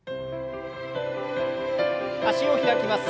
脚を開きます。